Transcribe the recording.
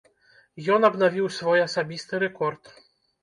Ён абнавіў свой асабісты рэкорд.